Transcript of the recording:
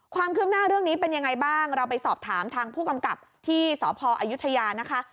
ความคืบหน้าเรื่องนี้เป็นยังไงบ้างเราไปสอบถามทางผู้กำกับที่สพอายุทยานะคะ